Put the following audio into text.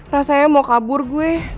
rasanya mau kabur gue